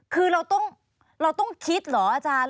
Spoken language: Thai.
คือเราต้องคิดเหรอ